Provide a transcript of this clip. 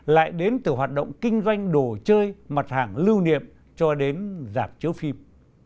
lại đến từ hoạt động kinh doanh đồ chơi mặt hàng lưu niệm cho đến giạc chứa phim